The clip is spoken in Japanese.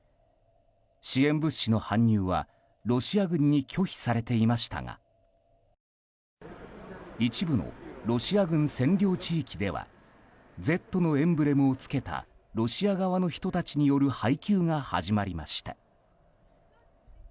支援物資の搬入はロシア軍に拒否されていましたが一部のロシア軍占領地域では「Ｚ」のエンブレムを付けたロシア側の人たちによる配給が始まりました。